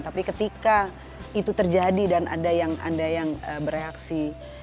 tapi ketika itu terjadi dan ada yang bereaksi